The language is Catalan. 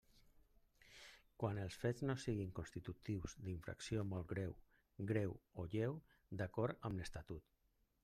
Quan els fets no siguin constitutius d'infracció molt greu, greu o lleu, d'acord amb l'Estatut.